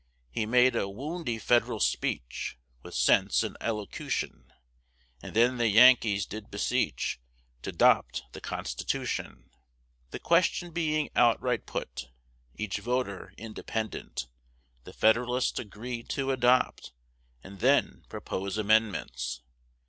He made a woundy Fed'ral speech, With sense and elocution; And then the Yankees did beseech T' adopt the Constitution. The question being outright put (Each voter independent), The Fed'ralists agreed to adopt, And then propose amendments.